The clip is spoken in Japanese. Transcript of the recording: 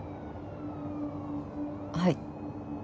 はい。